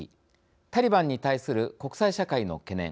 タリバンに対する国際社会の懸念。